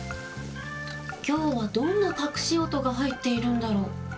きょうはどんなかくし音がはいっているんだろう？